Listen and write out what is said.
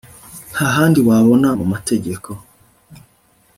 ntahandi wabona mu mategeko